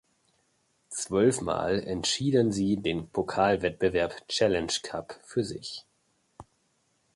Zwölfmal entschieden sie den Pokalwettbewerb Challenge Cup für sich.